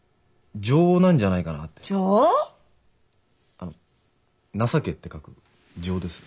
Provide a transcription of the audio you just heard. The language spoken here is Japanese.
あの「情け」って書く情です。